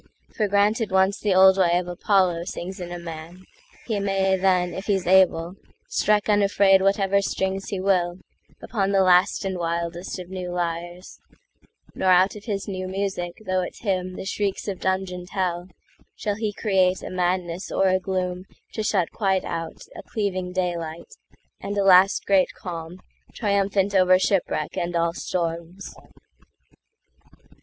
For granted once the old way of ApolloSings in a man, he may then, if he's able, Strike unafraid whatever strings he willUpon the last and wildest of new lyres; Nor out of his new magic, though it hymnThe shrieks of dungeoned hell, shall he createA madness or a gloom to shut quite outA cleaving daylight, and a last great calmTriumphant over shipwreck and all storms.